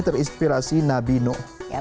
terinspirasi nabi nuh